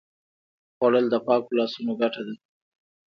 خوړل د پاکو لاسونو ګټه ده